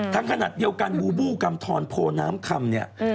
ขนาดเดียวกันบูบูกำทรโพน้ำคำเนี่ย